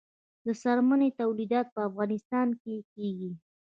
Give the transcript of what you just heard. د څرمنې تولیدات په افغانستان کې کیږي